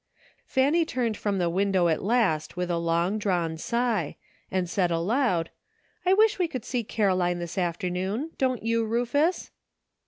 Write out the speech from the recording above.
Fanny turned from the window at last with a long drawn sigh, and said aloud :'' I wish we could see Caroline this afternoon; don't you, Rufus?"